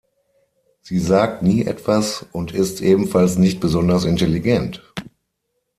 Sie sagt nie etwas und ist ebenfalls nicht besonders intelligent.